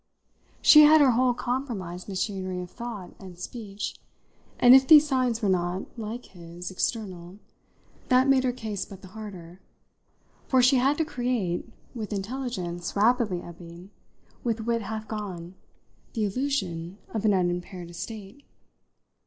She had her whole compromised machinery of thought and speech, and if these signs were not, like his, external, that made her case but the harder, for she had to create, with intelligence rapidly ebbing, with wit half gone, the illusion of an unimpaired estate.